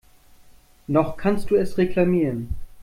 Noch kannst du es reklamieren.